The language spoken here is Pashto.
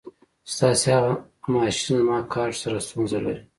ستاسې هغه ماشین زما کارټ سره ستونزه لري.